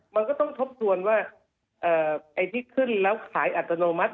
เราก็ต้องครบช้วนไอ้ที่ขึ้นแล้วขายอัตโนมัติ